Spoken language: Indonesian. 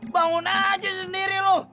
bangun aja sendiri loh